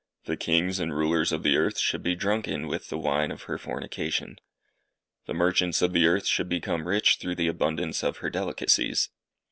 The kings and rulers of the earth should be drunken with the wine of her fornication. The merchants of the earth should become rich through the abundance of her delicacies.